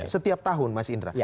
setiap tahun mas indra